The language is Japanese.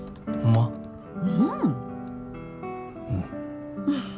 うん。